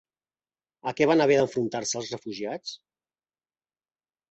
A què van haver d'enfrontar-se els refugiats?